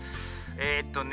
えっとね